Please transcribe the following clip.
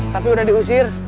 tapi udah diusir